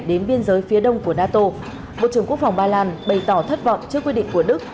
đến biên giới phía đông của nato bộ trưởng quốc phòng ba lan bày tỏ thất vọng trước quyết định của đức